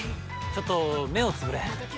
ちょっと目をつぶれ。